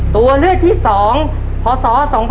ตัวเลือกที่๒พศ๒๕๖